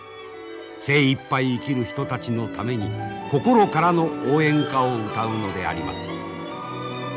精いっぱい生きる人たちのために心からの応援歌を歌うのであります。